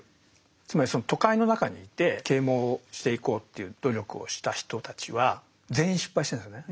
つまりその都会の中にいて啓蒙していこうっていう努力をした人たちは全員失敗してるんですよね。